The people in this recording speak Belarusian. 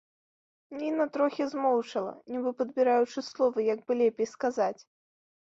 Ніна трохі змоўчала, нібы падбіраючы словы, як бы лепей сказаць.